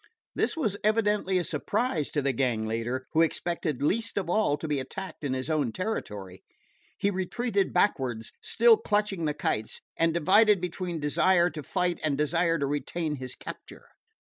This was evidently a surprise to the gang leader, who expected least of all to be attacked in his own territory. He retreated backward, still clutching the kites, and divided between desire to fight and desire to retain his capture.